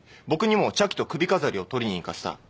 僕にも茶器と首飾りを取りに行かせた。